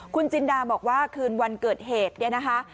คุณจินดาบอกว่าคืนวันเกิดเหตุเนี่ยนะคะ